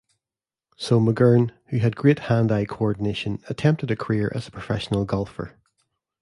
So McGurn, who had great hand-eye coordination, attempted a career as a professional golfer.